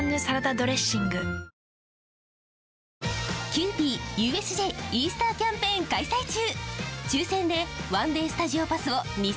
キユーピーＵＳＪイースターキャンペーン開催中！